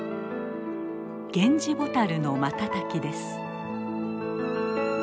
ゲンジボタルの瞬きです。